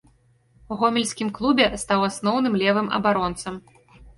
У гомельскім клубе стаў асноўным левым абаронцам.